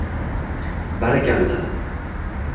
Barakalla!